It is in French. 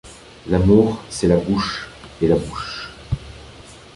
L’amour c’est la bouche, et la bouche